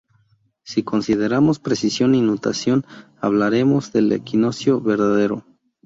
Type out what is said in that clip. Si consideramos precesión y nutación hablaremos del equinoccio verdadero.